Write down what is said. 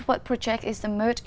các vấn đề